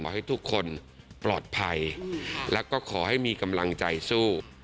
ให้ทุกคนปลอดภัยแล้วก็ขอให้มีกำลังใจสู้